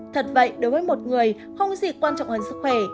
thật vậy đối với một người không có gì quan trọng hơn sức khỏe